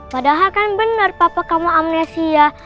padahal kan benar papa kamu amnesia